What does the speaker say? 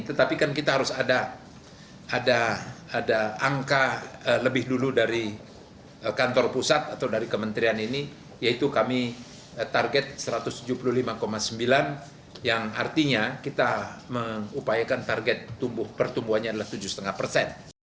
tetapi kan kita harus ada angka lebih dulu dari kantor pusat atau dari kementerian ini yaitu kami target satu ratus tujuh puluh lima sembilan yang artinya kita mengupayakan target pertumbuhannya adalah tujuh lima persen